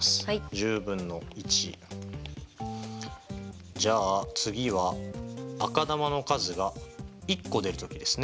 １０分の１。じゃあ次は赤球の数が１個出る時ですね。